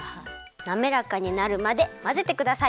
なめらかになるまでまぜてください。